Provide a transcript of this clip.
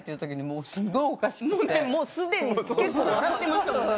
もうすでに結構笑ってましたもんね。